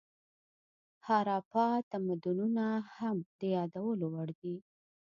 هاراپا تمدنونه هم د یادولو وړ دي.